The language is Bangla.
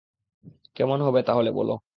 কেমন হবে তাহলে বল?